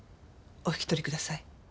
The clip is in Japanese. お引き取りください。